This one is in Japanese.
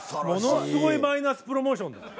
ものすごいマイナスプロモーションだ。